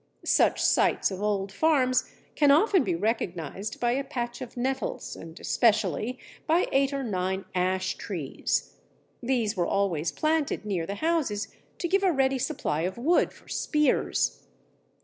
Such sites of old farms can often be recognized by a patch of nettles, and especially by eight or nine ash trees. These were always planted near the houses to give a ready supply of wood for spears.